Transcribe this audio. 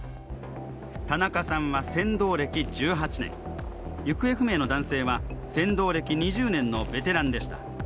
田中さんは船頭歴１８年、行方不明の男性は船頭歴２０年のベテランでした。